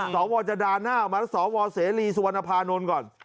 สรวจดาหน้าออกมาแล้วสรวเศรษฐรีสุวรรณภาษณนต์ก่อน